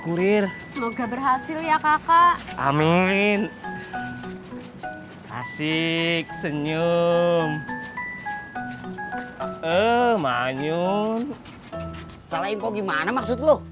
kurir semoga berhasil ya kakak amin asyik senyum eh manyun salah info gimana maksud lu